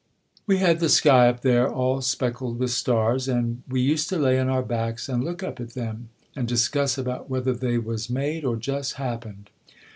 "We had the sky up there, all speckled with stars, and we used to lay on our backs and look up at them, and discuss about whether they was made or just happened.